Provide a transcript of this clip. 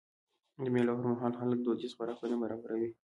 د مېلو پر مهال خلک دودیز خوراکونه برابروي.